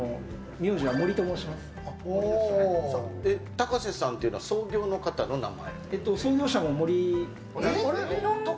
タカセさんというのは創業の方の名前？